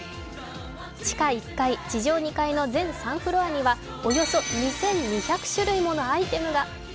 地下１階、地上２階の全３フロアにはおよそ２２００種類のアイテムが。